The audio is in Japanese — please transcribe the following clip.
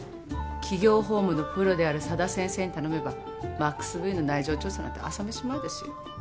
企業法務のプロである佐田先生に頼めばｍａｘＶの内情調査なんて朝飯前ですよ